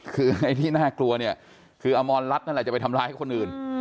คือไอ้ที่น่ากลัวเนี่ยคืออมรรัฐนั่นแหละจะไปทำร้ายคนอื่น